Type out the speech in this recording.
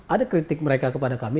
ada kritik mereka kepada kami